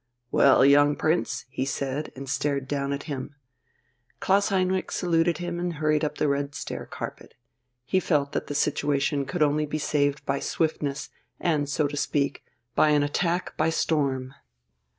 "Well, young Prince?" he said, and stared down at him.... Klaus Heinrich saluted and hurried up the red stair carpet. He felt that the situation could only be saved by swiftness and, so to speak, by an attack by storm.